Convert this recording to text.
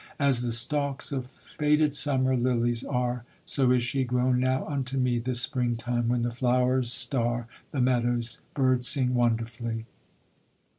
As the stalks Of faded summer lilies are, So is she grown now unto me This spring time, when the flowers star The meadows, birds sing wonderfully.